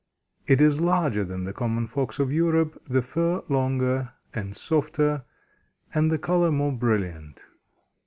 It is larger than the common Fox of Europe, the fur longer and softer, and the color more brilliant.